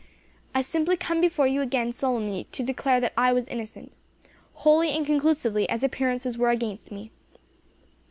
I simply come before you again solemnly to declare that I was innocent, wholly and conclusively as appearances were against me.'